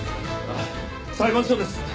裁判所です。